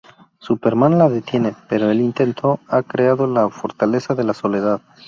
Superman la detiene, pero el intento ha creado la Fortaleza de la Soledad.